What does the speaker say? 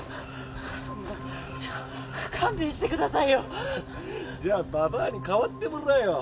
そんな勘弁してくださいよじゃあばばあに代わってもらえよ。